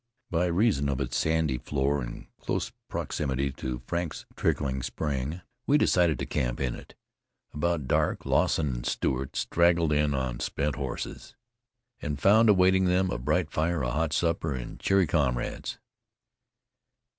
By reason of its sandy floor and close proximity to Frank's trickling spring, we decided to camp in it. About dawn Lawson and Stewart straggled in on spent horse and found awaiting them a bright fire, a hot supper and cheery comrades.